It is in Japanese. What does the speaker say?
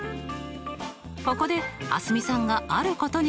ここで蒼澄さんがあることに気付きました。